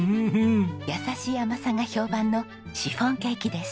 優しい甘さが評判のシフォンケーキです。